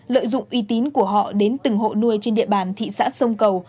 lợi dụng uy tín của họ đến từng hộ nuôi trên địa bàn thị xã sông cầu